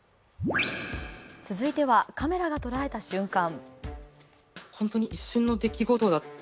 続いては、カメラが捉えた瞬間。